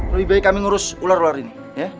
lebih baik kami ngurus ular ular ini